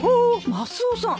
マスオさん